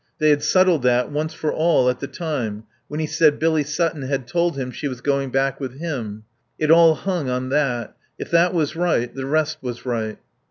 They had settled that once for all at the time, when he said Billy Sutton had told him she was going back with him. It all hung on that. If that was right, the rest was right....